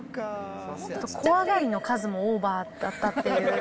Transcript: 小上がりの数もオーバーだったっていう。